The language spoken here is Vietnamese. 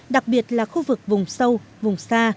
đặc biệt là khu vực vùng sâu vùng xa